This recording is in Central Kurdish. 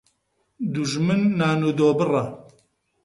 دوژمن نان و دۆ بڕە